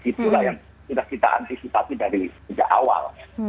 itulah yang sudah kita antisipasi dari sejak awal